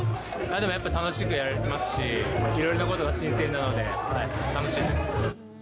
でもやっぱり楽しくやれてますし、いろいろなことが新鮮なので、楽しいです。